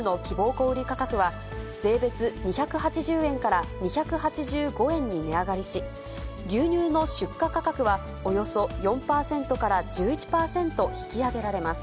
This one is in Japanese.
小売り価格は、税別２８０円から２８５円に値上がりし、牛乳の出荷価格は、およそ４％から１１％引き上げられます。